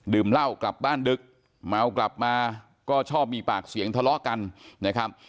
เหล้ากลับบ้านดึกเมากลับมาก็ชอบมีปากเสียงทะเลาะกันนะครับ